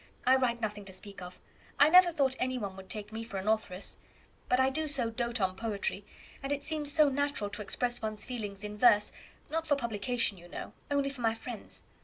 I write nothing to speak of. I never thought any one would take me for an authoress. But I do so doat on poetry, and it seems so natural to express one's feelings in verse not for publication, you know only for my friends.